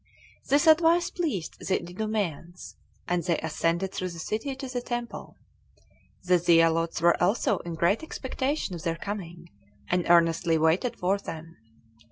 1. This advice pleased the Idumeans, and they ascended through the city to the temple. The zealots were also in great expectation of their coming, and earnestly waited for them.